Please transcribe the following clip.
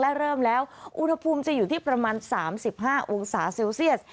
และเริ่มแล้วอุณหภูมิจะอยู่ที่ประมาณ๓๕องศาเซลเซียส